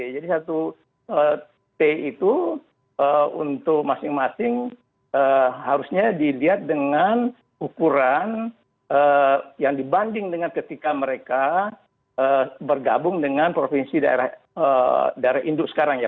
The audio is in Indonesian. jadi satu t itu untuk masing masing harusnya dilihat dengan ukuran yang dibanding dengan ketika mereka bergabung dengan provinsi daerah induk sekarang ya